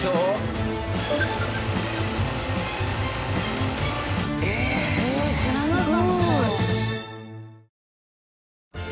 へえ知らなかった。